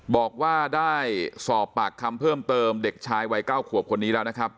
บอกว่าได้สอบปากคำเพิ่มเติมเด็กชายวัย๙ขวบคนนี้แล้วนะครับ